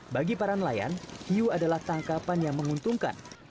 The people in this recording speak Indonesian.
bagi para nelayan hiu adalah tangkapan yang menguntungkan